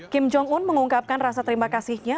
kim jong un mengungkapkan rasa terima kasihnya